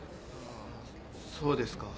そうですか。